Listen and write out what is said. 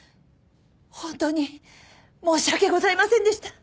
本当に申し訳ございませんでした！